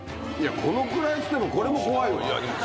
このくらいっつってもこれも怖いわ。